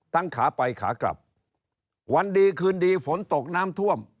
ขาไปขากลับวันดีคืนดีฝนตกน้ำท่วม